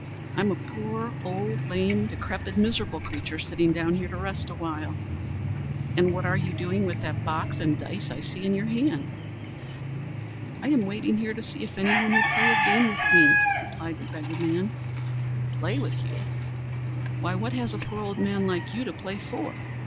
I'm a poor, old, lame, decrepit, miserable creature, sitting down here to rest awhile." "An' what are you doing with that box and dice I see in your hand?" "I am waiting here to see if any one will play a game with me," replied the beggarman. "Play with you! Why what has a poor old man like you to play for?"